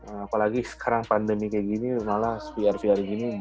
apalagi sekarang pandemi kayak gini malah vr vr gini